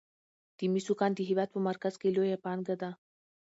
د مسو کان د هیواد په مرکز کې لویه پانګه ده.